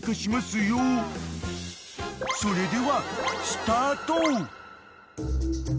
［それではスタート］